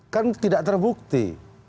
kan tidak terbukti